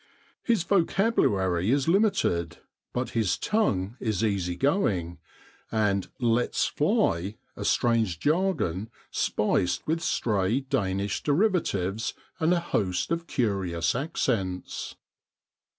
His vocabulary is limited, but his tongue is easy going, and 'lets fly' a strange jargon spiced with stray Danish derivatives and a host of curious accents.